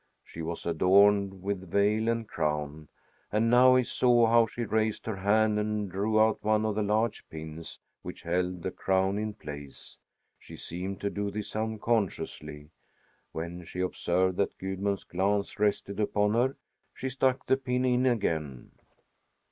She was adorned with veil and crown, and now he saw how she raised her hand and drew out one of the large pins which held the crown in place. She seemed to do this unconsciously. When she observed that Gudmund's glance rested upon her, she stuck the pin in again.